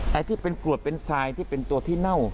ไหนที่เป็นกรวดเป็นไซน์เป็นตัวที่เน่า